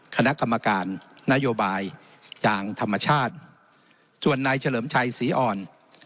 คณะกรรมการนโยบายจากธรรมชาติส่วนนายเฉลิมชัยศรีอ่อน